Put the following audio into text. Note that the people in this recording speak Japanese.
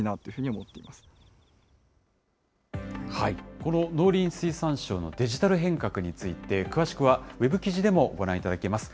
この農林水産省のデジタル変革について、詳しくはウェブ記事でもご覧いただけます。